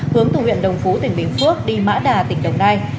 hướng từ huyện đồng phú tỉnh bình phước đi mã đà tỉnh đồng nai